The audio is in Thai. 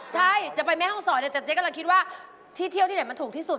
ใช่จะไปแม่ห้องศรเนี่ยแต่เจ๊กำลังคิดว่าที่เที่ยวที่ไหนมันถูกที่สุด